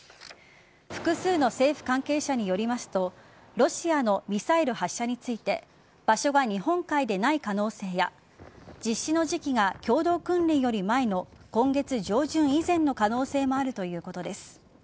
複数の政府関係者によりますとロシアのミサイル発射について場所が日本海でない可能性や実施の時期が共同訓練より前の今月上旬以前の可能性もあるということです。